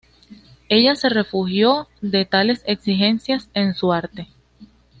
Ella se refugió de tales exigencias en su arte.